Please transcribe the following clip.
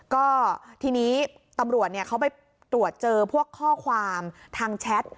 ก็ทีนี้ตำรวจเขาไปตรวจเจอพวกข้อความทางแชท